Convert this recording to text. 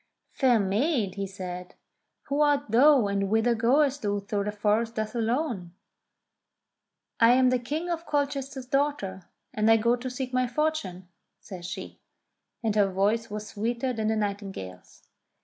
"Fair maid," he said, "who art thou, and whither goest thou through the forest thus alone ?" "I am the King of Colchester's daughter, and I go to seek my fortune," says she, and her voice was sweeter than the nightingale's.